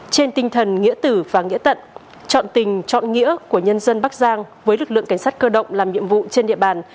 trên tinh thần nghĩa tử và nghĩa tận chọn tình trọn nghĩa của nhân dân bắc giang với lực lượng cảnh sát cơ động làm nhiệm vụ trên địa bàn